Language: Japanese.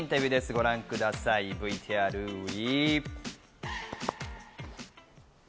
ご覧ください、ＶＴＲＷＥ！